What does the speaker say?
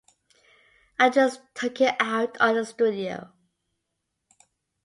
I just took it out on the studio.